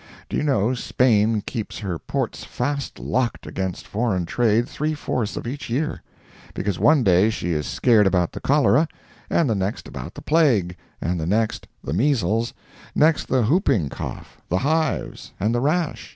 Do you know, Spain keeps her ports fast locked against foreign traffic three fourths of each year, because one day she is scared about the cholera, and the next about the plague, and next the measles, next the hooping cough, the hives, and the rash?